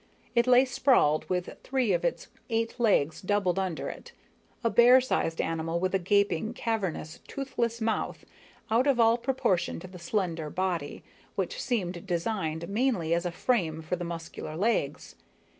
It lay sprawled with three of its eight legs doubled under it, a bear sized animal with a gaping, cavernous, toothless mouth out of all proportion to the slender body which seemed designed mainly as a frame for the muscular legs.